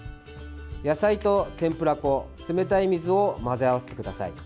野菜と天ぷら粉、冷たい水を混ぜ合わせてください。